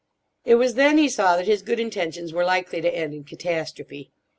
It was then he saw that his good intentions were likely to end in catastrophe.